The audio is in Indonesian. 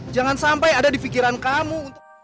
jangan sampai ada di pikiran kamu